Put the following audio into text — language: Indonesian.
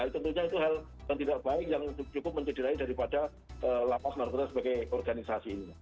tentunya itu hal yang tidak baik yang cukup mencederai daripada lapas narkota sebagai organisasi ini